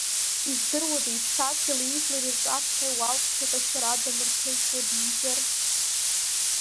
Издыруада, иԥсадгьыли ижәлари рҿаԥхьа уалԥшьак ашәара дамырҭынчуа дизар?